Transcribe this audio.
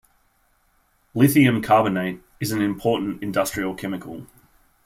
Lithium carbonate is an important industrial chemical.